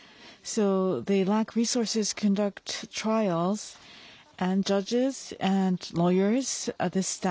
そうですね。